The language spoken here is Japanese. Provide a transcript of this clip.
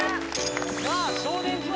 ・さあ「少年時代」